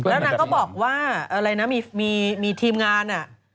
แล้วนางก็บอกว่าอะไรนะมีทีมงาน